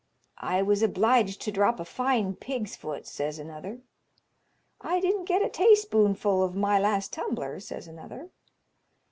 "I was obliged to drop a fine pig's foot," says another. "I didn't get a tayspoonful of my last tumbler," says another.